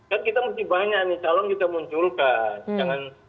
kan kita mesti banyak nih calon kita munculkan